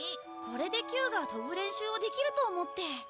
これでキューが飛ぶ練習をできると思って。